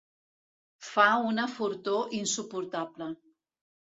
Fa una fortor insuportable.